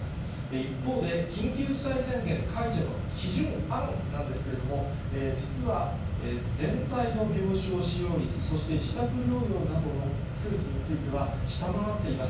一方で、緊急事態宣言解除の基準案なんですけれども、実は全体の病床使用率、そして自宅療養などの数値については、下回っています。